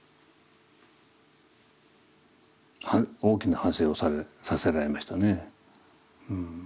大きな反省をさせられましたね。